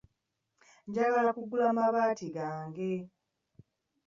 Njagala kugula mabaati gange.